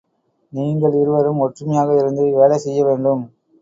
நீங்கள் இருவரும் ஒற்றுமையாக இருந்து வேலை செய்ய வேண்டும்.